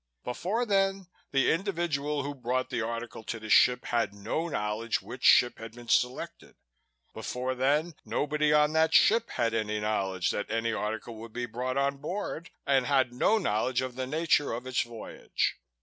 Before then, the individual who brought the article to the ship had no knowledge which ship had been selected. Before then, nobody on that ship had any knowledge that any article would be brought on board and had no knowledge of the nature of its voyage.